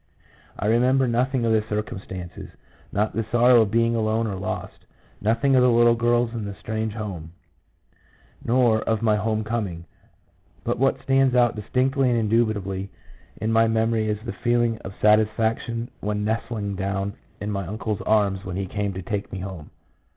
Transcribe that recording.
I remember nothing of the circumstances — not the sorrow of being alone or lost, nothing of the little girls and the strange home, nor of my home coming; but what stands out distinctly and indubitably in my memory is the feel ing of satisfaction when nestling down in my uncle's arms when he came to take me home.